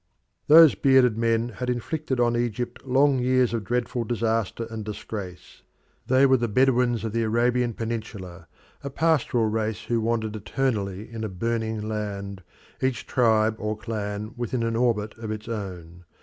Those bearded men had inflicted on Egypt long years of dreadful disaster and disgrace. They were the Bedouins of the Arabian peninsula, a pastoral race who wandered eternally in a burning land, each tribe or clan within an orbit of its own.